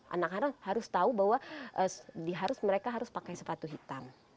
anak anak harus tahu bahwa mereka harus pakai sepatu hitam